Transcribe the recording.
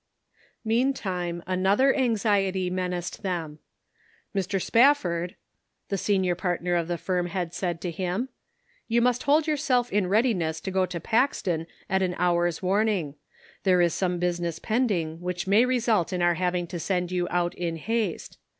Meantime, another anxiety menaced them. " Mr. Spafford," the senior partner of the firm had said to him, " You must hold yourself in readiness to go to Paxton at an hour's warn ing. There is some business pending which may result in our having to send you out in haste.